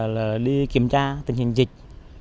là đi kiểm tra tình hình dịch